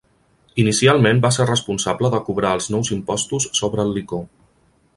Inicialment va ser responsable de cobrar els nous impostos sobre el licor.